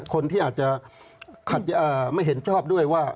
คนที่อาจจะไม่เห็นชอบด้วยว่า